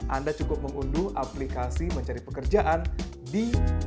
anda cukup mengunduh aplikasi mencari pekerjaan di